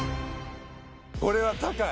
これは高い。